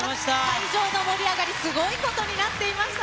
会場の盛り上がり、すごいことになっていました。